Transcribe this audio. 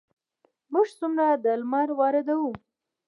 موږ څومره درمل واردوو؟